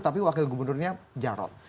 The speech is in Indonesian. tapi wakil gubernurnya jarod